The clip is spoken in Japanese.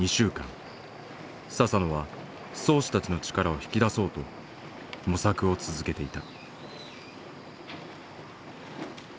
佐々野は漕手たちの力を引き出そうと模索を続けていた。